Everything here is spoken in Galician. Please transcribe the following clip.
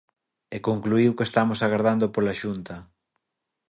E concluíu que estamos agardando pola Xunta.